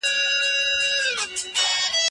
يوه بوډا په ساندو، ساندو ژړل